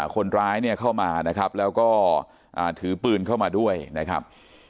คนร้ายเนี่ยเข้ามานะครับแล้วก็ถือปืนเข้ามาด้วยนะครับ